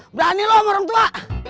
berani lo sama orang tua